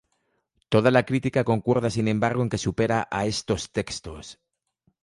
Toda la crítica concuerda sin embargo en que supera a estos textos.